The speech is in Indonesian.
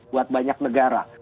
buat banyak negara